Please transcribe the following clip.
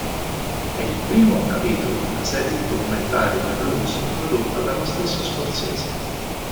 È il primo capitolo della serie di documentari "The Blues", prodotta dallo stesso Scorsese.